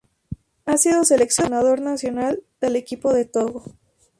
Ha sido seleccionador nacional del equipo de Togo.